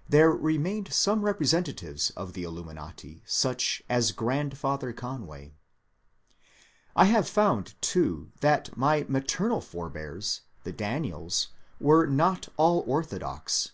— there remained some representatives of the ^^ Illuminati," such as grandfather Conway. I have found, too, that my maternal forebears, the Daniels, were not all orthodox.